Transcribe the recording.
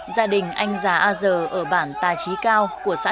gia đình anh già a giờ ở bản tà trí cao của xã nậm có